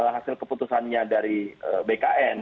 hasil keputusannya dari bkn